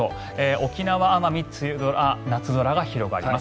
沖縄、奄美は梅雨空が広がります。